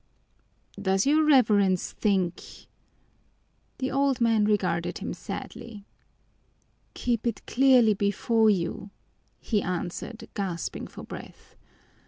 "Does your Reverence think " The old man regarded him sadly. "Keep it clearly before you," he answered, gasping for breath.